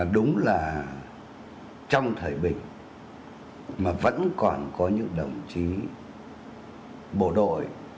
đúng là trong thời bình mà vẫn còn có những đồng chí bộ đội